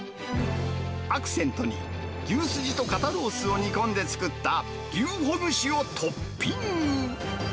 アクセントに、牛スジと肩ロースを煮込んで作った牛ほぐしをトッピング。